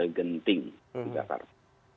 kita ganting jakarta